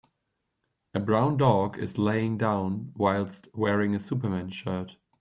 A brown dog is laying down whilst wearing a superman shirt.